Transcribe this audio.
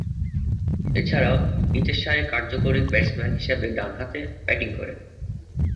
এছাড়াও, নিচের সারির কার্যকরী ব্যাটসম্যান হিসেবে ডানহাতে ব্যাটিং করেন।